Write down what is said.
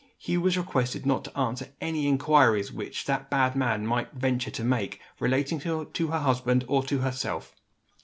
Hugh was requested not to answer any inquiries which that bad man might venture to make, relating to her husband or to herself.